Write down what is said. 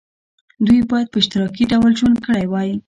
دوی باید په اشتراکي ډول ژوند کړی وای.